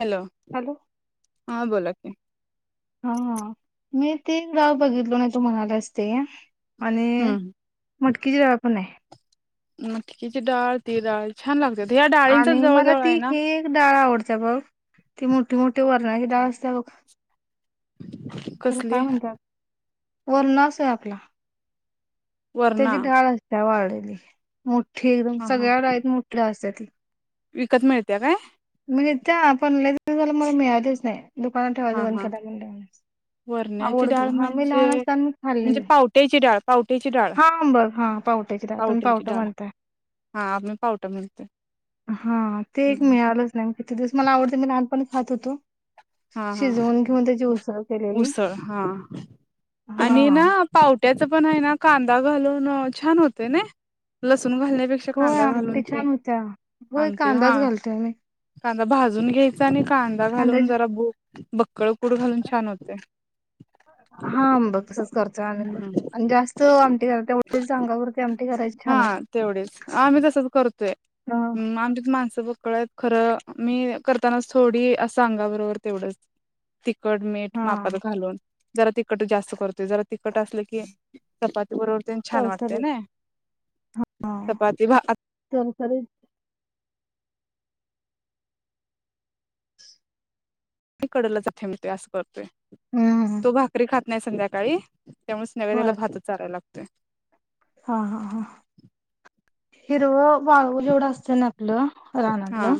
Hello! Hello हा बोला. की हा मी तीन गाव बघितलो ना! तु म्हणाल्यास ते, आणि हम्म मटकी जरा पण नाही. ती मटकीची डाळ ती, डाळ छान लागते. आणि मला ती ही एक डाळ आवडते बघ ती मोठी मोठी वाट ही डाळ असत्या बघ, त्याला काय कसली म्हणतात, वरणास आहे आपला. वरणा त्याची ढाळ असती या वाढ मो हा हा थेरम'सगळ्या डाळीत मोठलं असत्यात. विकत मिळत्याया काय? मिळत्या पण लय दिवस झालं मला मिळालीच नाही. दुकानात ठेवायचं हा बंद हा केला [unintelligible] वरण्याची आवडतो डाळ हा मी म्हणजे लहान असताना मग म्हणजे खाल्लेलं. पावट्याची डाळ पावट्याची डाळ हाम बघ हा पावट्याची डाळ तुम्ही पावट्याची पावट डाळ म्हणताय. हा आम्ही पावटा म्हणतोय हा ते एक मिळालंच नाही किती दिवस मला आवडतय मी लहानपणी. खात होतो. हा हा शिजवून घेऊन त्याची उसळ केलेली. उसळ हा आणि हा. ना पावट्यात हाय ना कांदा घालून छान होतय नाय? होय आमट छान होतीया होय आमटी हा कांदाच घालतोय आम्ही. कांदा भाजून घे [unintelligible] कांदा घालून कांद्याची जरा [inaudible] कळ कुट घालून छान होतय. [inaudible] हा बग तसंच करोतया आणि बग आणि जास्त आमटी घालतीया जास्त [unintelligible] अंगापुरती आमटी. करायची हा छान होत्या. तेवढेच आम्ही तसच करतोय हा हम आमच्यात माणस बघ. [unintelligible] खर मी करतानाच थोडीअस अंगा बरोबर तेवढच तिखट मीठ मापात हा. घालून जरा ती तिखट जास्त करतोय जरा तिखट असलं की चपाती बरोबर तेन छान वाटतय तरसरीत नाय हा. चपाती भात [unintelligible] [unintelligible] हम्म. तो भाकरी खात नाही संध्याकाळी? त्यामुळेच नेवैद्याला बर भातच चाराय लागतोय. तर हा हा हा हिरव [unintelligible] जेवढं असतय ना आपलं हा रानातलं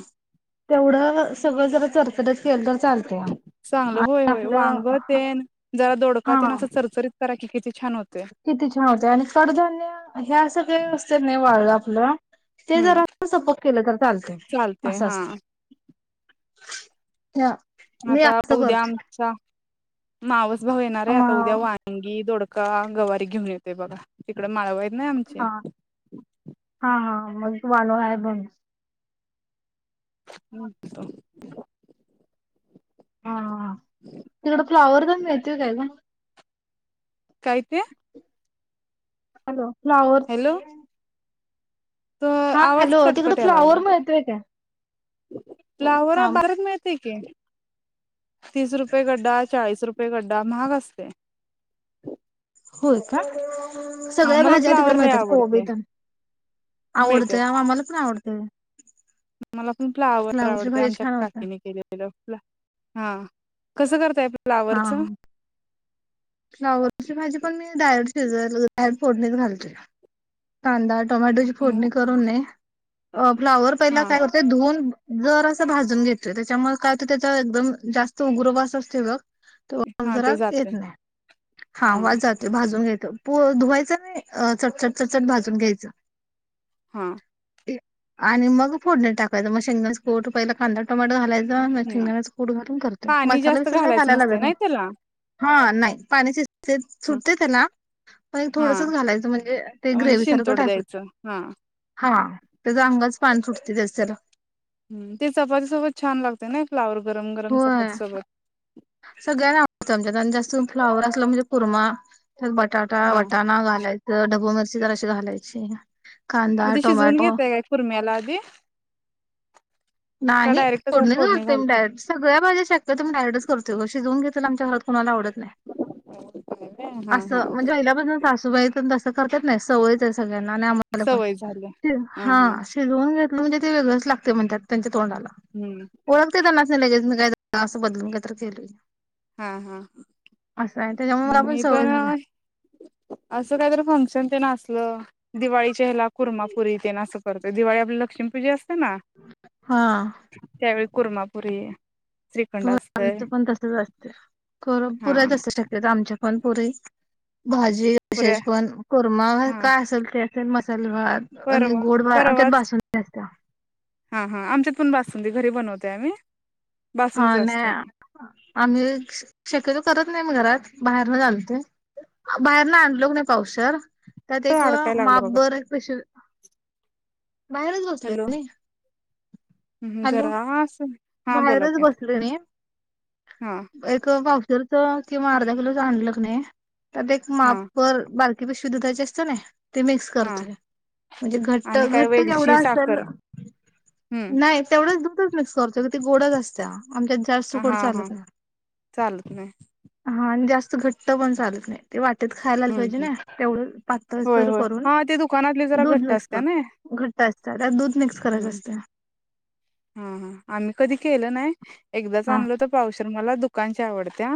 तेवढं सगळं जरा चरचरीत केलं? चालतया. चांगल होय आणि होय आपलं वांग तेन जरा दोडका तेन हा असं चरचरीत करा कि. किती छान होते आणि कडधान्य ह्या असं काही असतय नाही वाळलं आपलं ते हम्म जर सपक केलं तर चालते चालते असं हा असत. हं आता हो उद्या आमचा? मावस? भाऊ येणार आहे म आता उद्या वांगी दोडका? का गवारी घेऊन येतोय बघा तिकड माळव येत नाही आमचे? मज तु मालो आहे बण? म्हणतो? हा हा तिकड फ्लाॉवर तर मिळतील काय ग? काय ते? Hello flower? हॅलो त हा आवाज हॅलो तिकड कटकट याय फ्लॉवर लागलाय मिळतील काय? फ्लावर थांब बरच मिळतेय की? तीस रुपये गड्डा चाळीस रुपये? रुपये गड्डा महाग असतय. होय का सगळ्या मला भाज्या तिकडे फ्लावर लय मिळतात कोबी आवडते तर मिळतात आवडतंय आम्हाला पण आवडत. तर मला फ्लावर आवडते आमच्या होत्या काकीने केलेलंला हा कसं करताय आपल्याला हा फ्लॉवरच? हा फ्लावरची भाजी पण मी डायरेट शिजायला डायरेट फोडणीत घालते कांदा टोमॅटोची ह फोडणी करून येे. अ फ्लावर पहिला हा काय करतोय धुवून. जर असं भाजून घेतोय त्याच्यामुळे काय होत त्याचा एकदम जास्त उग्रवास असते बघ. तो वास हा जरा तो येत जातोय नाही? हा वास जातोय भाजून घेतो? प धुवायच नाही चटचट चटचट भाजून घ्यायचं, हा आणि मग फोडणी टाकायचं मग शेंगदाण्याचं कुट पहिला कांदा, टोमॅटो घालायच जा ना ह शेंगदाण्याचं कूट घालून करतोय पाणी मसाला जास्त बिसाला काय घालायचं घालायला नसते लागत नाही. त्याला हा नाही. पाणीच ते सुटतय त्याला पण एक हा थोडसच घालायचं म्हणजे ते म्हणजे ग्रेवी सारखं शिंतोड टाईप होत द्यायचं हा हा त्याचा अंग पाणी सुटतय त्याच त्याला हम्म ते चपाती सोबत छान लागतय नइ फ्लावर गरम गरम होय चपाती सोबत सगळ्यांना आवडतं आमच्यात आणि जास्त फ्लावर असला म्हणजे कुरमा त्यात बटाटा, हा वाटाणा घालायच. ढबू मिरची जराशी घालायची. मग कांदा, ते शिजवून टोमॅटो, घेतय काय कुर्म्याला आधी का नाही डायरेक्टच फोडणीतच फोडणी घालतोय मी घालतो डायरेक्ट सगळ्या भाजी शक्यतो मी डायरेट शिजवून घेतलेलं आमच्या घरात कोणाला आवडत नाही, हा अस हा म्हणजे पहिल्यापासून सासूबाई तसं करतात नाही सवयच आहे सग ह्यांना आणि आम्हाला पण सवय झाली हा शिजवून घेत म्हणजे ते वेगळंच लागतय म्हणत्यात त्यां तोंडाला हम्म ओळखते त्यांनासनी लगेच नाही तर असं बदलून घ्याय तरच येतंय हा हा. त्याच्यामुळे मला हम्म मी सवय पण झाल्या असं काय तर फंक्शन तेन असलं दिवाळीच्या ह्याला कुर्मापुरी तेन असं करतोय. दिवाळी आपल्या लक्ष्मीपूजा असते. ते ना हा त्यावेळी कुर्मापुरी श्रीखंड होय असतय आमच पण तसच असतय खर हा पुऱ्या तस करत्यात आमच्यात पण पुरी भाजी पुऱ्या विशेष पण कुरमा हा काय असल ते ते म होय आणि परवा गोड म आमच्यात परवाच बासुंदी असतीया. हा हा आमच्यात पण बासुंदी घरी बनवतोय आम्ही हा बासुंदीच असत्या नाही आम्ही शक्यतो करत नाही मी घरात बाहेरन आणतोय बाहेरन आणलो कणी पावशेर त्यात एक अडकाय लागलं माप बघा भर क बाहेरच बसलोय कनी हम् जरा अस हा बोला बाहेरच कि बसलोय मी हा हरच किवा अर्ध कलोच आणल नाही त्यात एक माप हा भर बार कि बेशुद्धाचे असतय ना ते मिक्स हा करतोय म्हणजे घट्ट आणि काय घट्ट केवढ वेलची असल साखर हम्म नाही तेवढ बसदुमतल प्लस काँरचर ते गोडच असत्या आणि आमच्यात जास्त हा गोड हा चालत नाही चालत नाही हा आणि जास्त घट्ट पण चालत नाही ते वा त्यात खायला आल हम्म पाहिजे हम्म ना तेवढं होय पातळसर होय करून हा ते दुकानातली जरा दूध घट्ट मिक्स असत्या ना कर घट्ट असतात त्यात दूध मिक्स करायचं हम्म असत रहा हा हा आम्ही कधी केलं नाही एकदाच हा आणलो तो पावशर मला दुकानची आवडत्या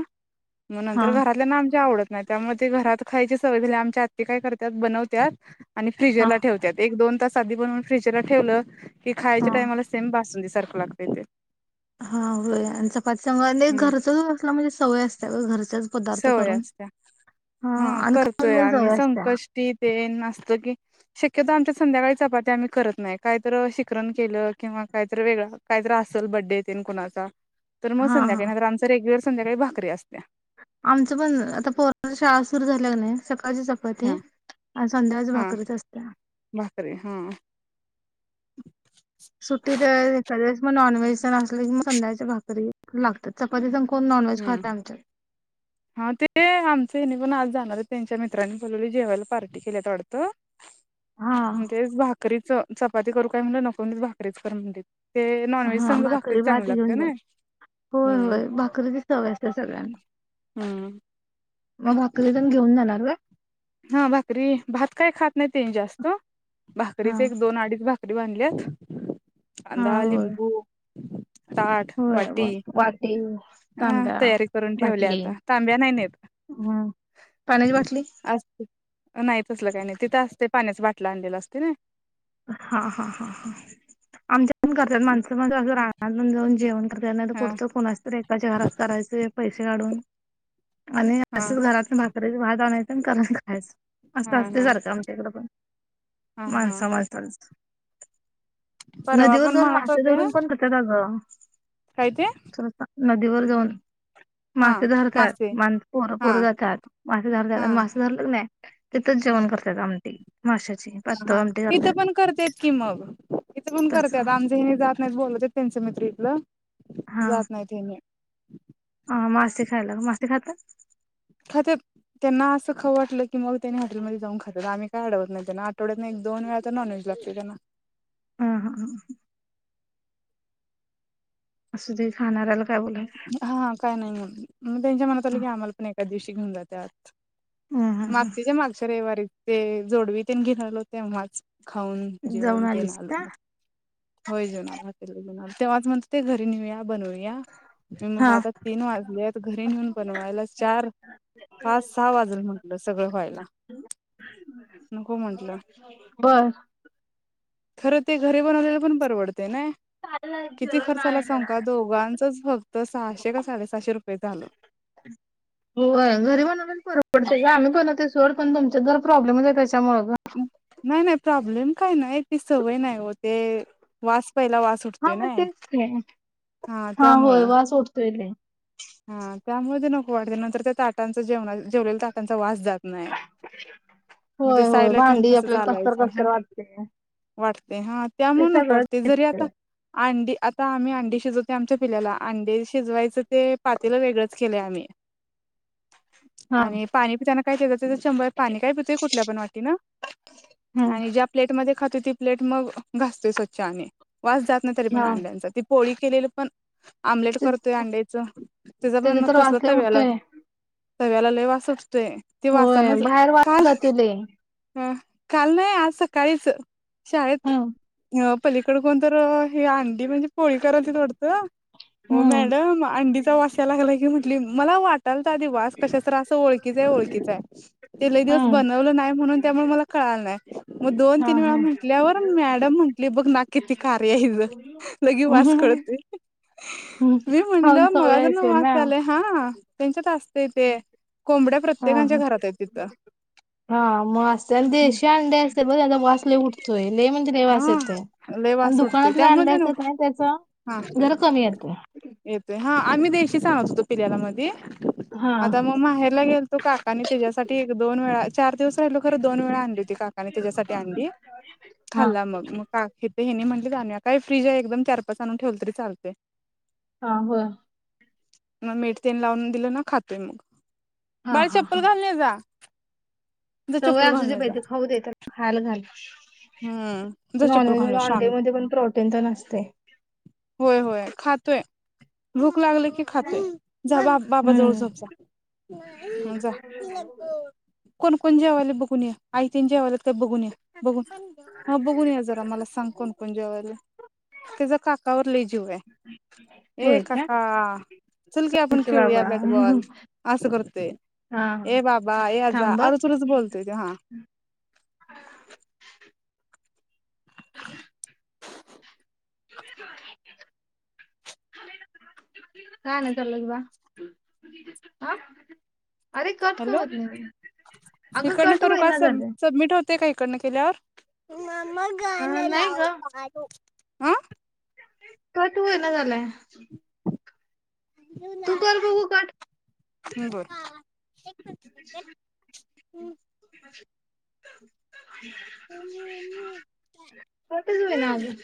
मग हा नंतर घरातल्याना आमच्या आवडत नाही त्यामध्ये घरात खायची सवय झाली आमच्या आत्ती काय करत्यात बनवत्यात आणि हा फ्रिजरला ठेवत्यात एक दोन तास आधी बनवून फ्रिजरला ठेवलं. कि हा खायच्या टाईमाला. बासुंदी सारक लागतय ते. हा होय आणि चप पाचसव्हाने हम्म. घरचच असल्या म्हणजे सवय असत्या घरच. सवय असत्या हा हम्म आणि खाऊन करतोय पण आम्ही सवय असत्या संकष्टी तेन. असत की शक्यतो आमच्या संध्याकाळी चपाती आम्ही करत नाही कायतर शिखरण केलं किंवा कायतर वेगळ कायतर असल बड्डे तेन कुणाचा. तर मग हा संध्याकाळी हा नाही तर आमचां रेग्युलर. संध्याकाळी भाकरी असत्या. आमचं पण आता पोराची शाळा सुरू झाल्या कनीनाही सक. सकाळची चपती आणि संध्याकाळची हा भाकरीच असत्या. भाकरी हा [unintelligible] बेसन आसल कि मग सध्याकाळच भाकरी लागत्यात चपाती जमत. हम्म हा ते आमचे नि मी पण आज जाणार आहे त्यांच्या मित्रांनी बोलवलय जेवायला पार्टी केल्यात वाटतं. हा म्हणजेच भाकरीच. चपाती करू काय म्हटलं नको भाकरीच कर म्हणलित ते नॉनव्हेज हा संघ भाकरीच भाकरी चांगली भात लागत्या घेऊन जाणार नह्हि हम्म. चव असत सगळ्यां हां मग भाकरी तेन घेऊन जाणार होय. हा भाकरी भात काय खात नाहीते जास्त. हा भाकरीच एक दोन अडीच भाकरी. री बांधल्यात.. हा कांंदा होय लिंबू. [inaudible] ताट होय वाटी वाटी अ तांब्या तयारी करून ठेवल्या बाटली आता तांब्या नाही नाहीेत हम्म पाण्याची बाटली अस. नाही तसलं काही नाही तिथं असते पाण्याचं बाटली. आणलेला असते नाय. हा हा हा हा आमच्या. ण करतात माणसं अस रा आणून जाऊन जेवण. तर हा पुढचं कोणाच तर एकाच्या घरात करायच. पैसे काढून. आणि हा असंच घरात भाकरी भात आणायचं करून खायच हा असं असते हा सारखं आमच्याकडे पण हा हा. माणसा माणस [inaudible] परवा नदीवर पण जाऊन म्हणत मासे होते धरून पण करतात अगं. काय ते नदीवर जाऊन हा मासे धरतात मासे माण पोर हा पोरं जातात मासे धरतात हा आणि मासे धरलं कणी तिथंच जेवण करतात आमटी माशाची हा पातळ हा आमटी इथं करत्यात. पण करतेत की मग तिथे पण करत्यात आमचं हेनी जात नाहीत बोलवतात त्यांच मित्र जात हा नाहीत हेनी. मासे खायला. मासे खाता? खात्यात त्यांना अस खाऊ वाटलं. मग त्यानी हॉटेलमध्ये जाऊन खात्यात आम्ही काय अडवत नाही त्यांना आठवड्यात एक दोन वेळा तर नॉनव्हेज लागते त्यांना. हम हम हम. असू दे खाणाऱ्याला काय हा हा काय नाही मग त्यांच्या मनात आलं की आम्हाला पण एक त्यादिवशी घेऊन जातात. बोलायचं मागच्याच्या मागच्या रविवारी ते जोडवी तेन घेणार होते तेव्हाच, खाऊन जाऊन जेवून तेन आलीस आलो का मग होय हॅाटेल ला जेवून आलो. तेव्हाच म्हणत होती घरी नेऊया बर होईल. या मला हा आता तीन वाजल्यात घरी जाऊन बनवायला चार, पाच, सहा वाजल म्हंटल सगळं व्हायला. नको म्हंटलं, बर खरं ते घरी बनवलेले पण परवड ते ना किती खर्चा आला सांगू का दोघांचच फक्त सहाशे का साडेसहाशे रुपये झालं होय, घरी बनवलेलेच बरं पडतंय गं. आम्ही बनवतोय सोड. पण तुमच्या तर प्रॉब्लेमच आहे त्याच्या नाही नाही प्रॉब्लेम काय नाही ती सवय नाही व ते वास पहिला वास हा उठतोय मग ना तेच कि हा होय वास उठतोय लयी. हा त्यामुळे नको वाटते नंतर त्या ताटांच जेवणा जेवलेल्या ताटांचा वास जात नाही मग ते होय होय साईडला ठेवून भांडी कस आपल्याला कसतर चालायचं कसतर हा वाटतंय. वाटते हा ते त्यामुळे नको सगळं वाटते जरी आता अंडी आता आम्ही अंडी शिजवत नाही आमच्या पिल्ल्याला अंडी शिजवायचं ते पातील वेगळंच केलंय आम्ही. हा आणि पाणी पिताना. [unintelligible] त्याच्यामुळे पाणी काय पितो कुठल्या पण वाटीन. हम्म आणि ज्या प्लेटमध्ये खाते ती प्लेट मग घासते स्वच्छ आणि वास जात नाही तरी पण हा अंड्यांचा ती पोळी केलेलं पण आमलेट ते करतोय अंड्याचं त्याचा पण तर कसलं वास लय तव्याला उठतोय तव्याला लयी वास सुट ते ते होय वासानच बाहेर वास काल जातोय लय. ह काल नाही आस काहीच शाळेत हम्म. अ पलीकड कोण तर ह अंडी म्हणजे पोळी करालतीत वाटतं. हो हम्म मॅडम अंडीचा वास म्हटल मला वाटालत अधि वास कशाचा तरी अस ओळखीचा आहे. ओळखीचा आहे. ते लय दिवस हम्म बन वलं नाही म्हणून त्यामुळे मला कळाल नाही. मग दोन हा तीन हा. वेळा म्हटल्यावर म म्हटली बघ ना किती कार्य आहें ईच. लगे वास कळतोय. हम्म मी खाऊन म्हटलं सवय मला असेल ना वास आले हा त्यांच्यात ते कोंबड्या हा प्रत्येकांच्या ह घरात आहेत तिथं हा मग असते देशी अंडे असतील बघा त्यांचा वास लय उठ [unintelligible] लय म्हणजे लय वास हा येतेय. लय आणि वास सुटतोय दुकानातल्या त्यामुळे अंड्या ते असतात नको ना त्याच हा जरा कमी येतय. सांगत होतो पिल्याला मध्ये हां, आता मग माहेरला गेलतो काका आणि त्याच्यासाठी एक दोन वेळा चार दिवस राहिलो खरं दोन वेळा आणली होती काकाने त्याच्यासाठी आणली हां, खाल्ला मग मग का हेनी म्हटले जा काय फ्रीज आहे एकदम चार पाच आणून ठेवलं तरी चालते हा हो म मेठतेन लावून दिल ना खातोय मग हां, बाळ हां, चप्पल हां. घालणे जा जा सवय चप्पल घालून असूची ये जा पाहिती खाऊ दे त्या हाल घाल ह हम्म जच्यापूल खाणे शान अंडेमध्ये पण प्रोटीन तर नसते. होय होय खातोय भूक लागल की खातोय जा बा बाबा जवळ हम्म, झोप जा जा कोणकण जेवाले बघून या आई तन जेवालेत का बघून या बघून हा बघून या जरा मला सांग कोणकोण जेवायला त्याच्या काकावर लले श ए होय का? काका चल की आपण ए खेळूया बाबा बॅटबॉल असं करतोय हां ए बाबा ए आज थांब हं. अरुचुरूच बोलतोय ते हा काय्या काय नाही चनलाग बा अ अरे कट का हॅलो होत नाही अगं कट होना झालं ते काहीकडनं केल्यावर ममग गा अ न नाही लाव गं पार आ कट होईना झालाय. [inaudible] तू कर बघू कट. बर [inaudible] कट च होईना अगं.